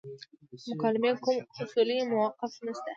د مکالمې کوم اصولي موقف نشته.